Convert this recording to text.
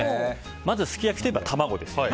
まずすき焼きといえば卵ですよね。